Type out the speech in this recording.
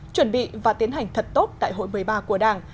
chuẩn bị và tiến hành thật tốt đại hội một mươi ba của đảng